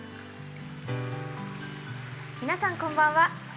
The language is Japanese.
皆さんこんばんは。